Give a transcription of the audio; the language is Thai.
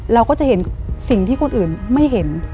เราก็จะเห็นสิ่งที่คนอื่นไม่เห็น